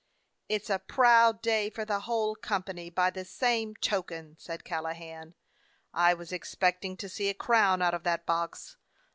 "It 's a proud day for the whole company, by the same token," said Callahan. "I was ex pecting to see a crown out of that box.